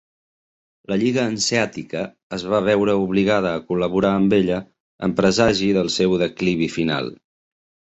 La Lliga Hanseàtica es va veure obligada a col·laborar amb ella en presagi del seu declivi final.